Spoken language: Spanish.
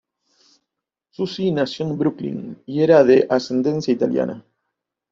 Susi nació en Brooklyn y era de ascendencia italiana.